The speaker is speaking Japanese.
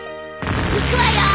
行くわよ！